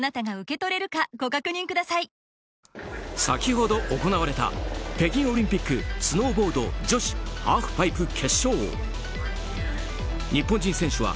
先ほど行われた北京オリンピックスノーボード女子ハーフパイプ決勝進出。